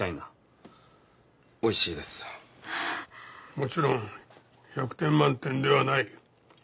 もちろん１００点満点ではない。